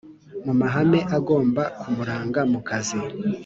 mu mahame agomba kumuranga mu kazi